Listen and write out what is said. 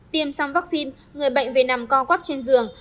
tiêm xong vaccine người bệnh về nằm co quắp trên giường